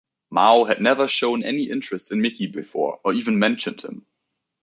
Mao had never shown any interest in Miki before, or even mentioned him.